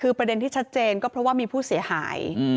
คือประเด็นที่ชัดเจนก็เพราะว่ามีผู้เสียหาย